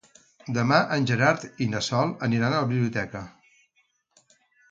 Demà en Gerard i na Sol aniran a la biblioteca.